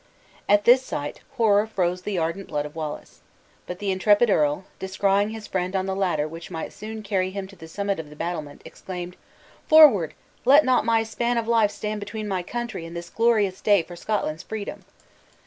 At this sight, horror froze the ardent blood of Wallace. But the intrepid earl, descrying his friend on the ladder which might soon carry him to the summit of the battlement, exclaimed, "Forward! Let not my span of life stand between my country and this glorious day for Scotland's freedom!"